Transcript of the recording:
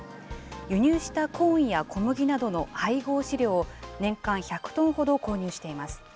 輸入したコーンや小麦などの配合飼料を、年間１００トンほど購入しています。